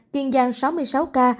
kiên giang sáu mươi sáu ca